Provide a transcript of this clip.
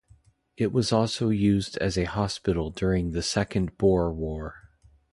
It was also used as a hospital during the Second Boer War.